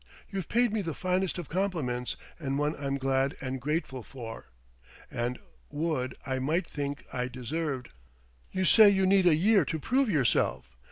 You've paid me the finest of compliments, and one I'm glad and grateful for ... and would I might think I deserved! ... You say you need a year to prove yourself?